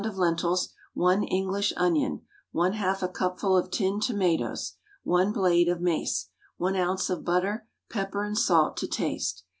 of lentils, 1 English onion, 1/2 a cupful of tinned tomatoes, 1 blade of mace, 1 oz. of butter, pepper and salt to taste.